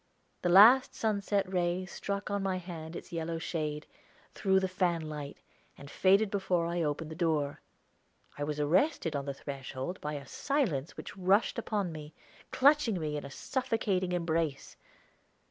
The last sunset ray struck on my hand its yellow shade, through the fan light, and faded before I opened the door. I was arrested on the threshold by a silence which rushed upon me, clutching me in a suffocating embrace.